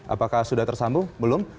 apakah sudah tersambung belum